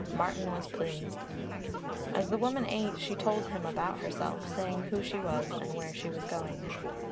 Martin was pleased. As the woman ate she told him about herself, saying who she was and where she was going.